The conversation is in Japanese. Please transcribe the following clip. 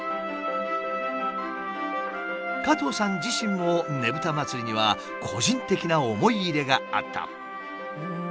加藤さん自身もねぶた祭には個人的な思い入れがあった。